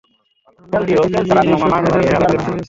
আমি উনাকে দিল্লি নিয়ে এইসব ভেজাল থেকে বের করতে চেয়েছি।